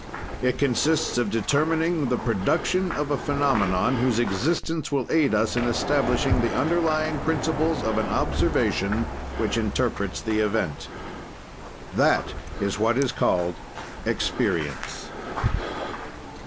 "It consists of determining the production of a phenomenon whose existence will aid us in establishing the underlying principles of an observation which interprets the event. "That is what is called experience.